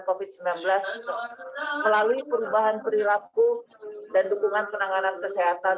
covid sembilan belas melalui perubahan perilaku dan dukungan penanganan kesehatan